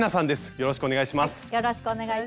よろしくお願いします。